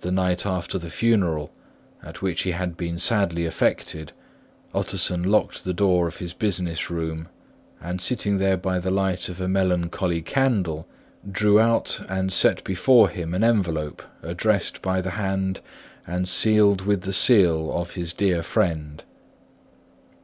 The night after the funeral, at which he had been sadly affected, Utterson locked the door of his business room, and sitting there by the light of a melancholy candle, drew out and set before him an envelope addressed by the hand and sealed with the seal of his dead friend.